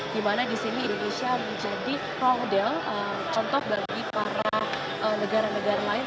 dimana di sini indonesia menjadi model contoh bagi para negara negara lain